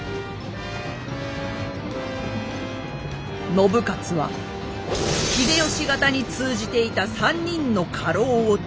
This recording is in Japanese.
信雄は秀吉方に通じていた３人の家老を誅殺。